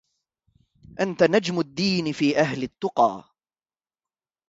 أنت نجم الدين في أهل التقى